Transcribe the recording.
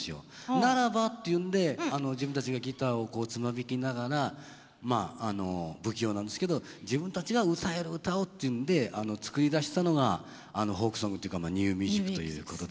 ならばっていうんで自分たちがギターをこうつま弾きながらまああの不器用なんですけど自分たちが歌える歌をっていうんで作り出したのがあのフォークソングっていうかニューミュージックということで。